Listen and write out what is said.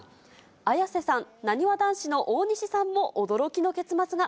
綾瀬さん、なにわ男子の大西さんも驚きの結末が。